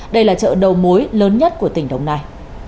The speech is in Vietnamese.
đây là chợ đầu mối lớn nhất của tỉnh đồng nai